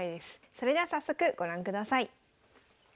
それでは早速ご覧ください。